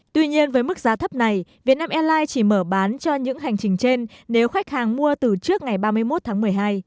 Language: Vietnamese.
tuy nhiên với mức giá thấp này vietnam airlines chỉ mở bán cho những hành trình trên nếu khách hàng mua từ trước ngày ba mươi một tháng một mươi hai